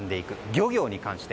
漁業に関して。